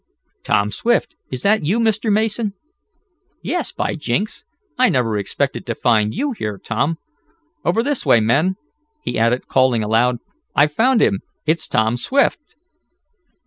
"Tom Swift. Is that you, Mr. Mason?" "Yes. By jinks! I never expected to find you here, Tom. Over this way, men," he added calling aloud. "I've found him; it's Tom Swift."